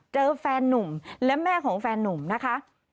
แฟนนุ่มและแม่ของแฟนนุ่มนะคะ